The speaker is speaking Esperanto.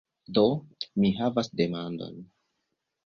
Do, mi havas demandon.